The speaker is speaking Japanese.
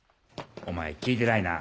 お前聞いてないな。